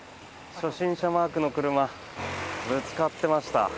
初心者マークの車ぶつかってました。